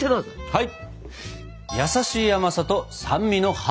はい！